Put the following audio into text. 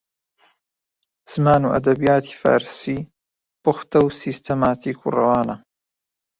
زمان و ئەدەبیاتی فارسی پوختە و سیستەماتیک و ڕەوانە